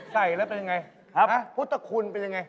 ใส่แล้วเป็นยังไงพุทธคุณเป็นยังไง